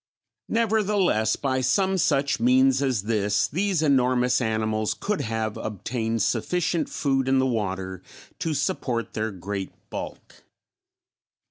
Nevertheless by some such means as this, these enormous animals could have obtained sufficient food in the water to support their great bulk.